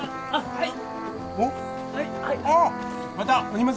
はい！